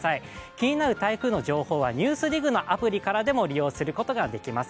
気になる台風の情報は「ＮＥＷＳＤＩＧ」のアプリからでも利用することができます